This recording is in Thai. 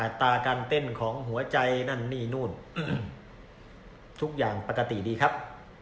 ตราการเต้นของหัวใจนั่นนี่นู่นทุกอย่างปกติดีครับ